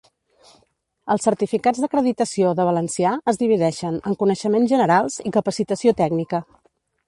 Els certificats d'acreditació de valencià es divideixen en coneixements generals i capacitació tècnica.